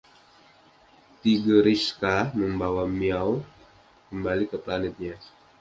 Tigerishka membawa Miaow kembali ke planetnya.